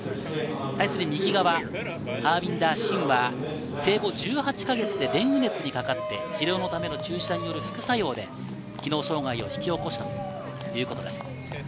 対するハービンダー・シンは生後１８か月でデング熱にかかって治療のための注射による副作用で機能障害を引き起こしたということです。